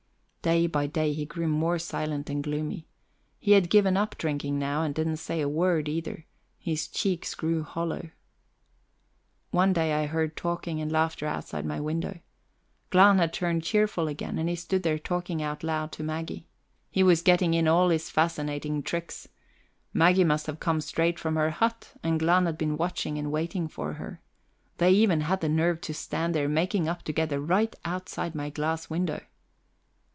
Day by day he grew more silent and gloomy. He had given up drinking now, and didn't say a word, either; his cheeks grew hollow. One day I heard talking and laughter outside my window; Glahn had turned cheerful again, and he stood there talking out loud to Maggie. He was getting in all his fascinating tricks. Maggie must have come straight from her hut, and Glahn had been watching and waiting for her. They even had the nerve to stand there making up together right outside my glass window.